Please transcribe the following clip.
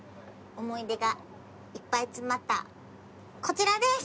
思い出がいっぱい詰まったこちらです！